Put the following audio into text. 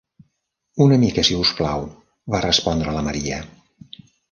'Una mica, si us plau', va respondre la Maria.